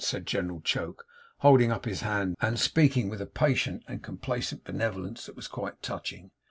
said General Choke, holding up his hand, and speaking with a patient and complacent benevolence that was quite touching.